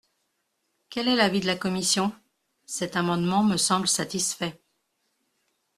Quel est l’avis de la commission ? Cet amendement me semble satisfait.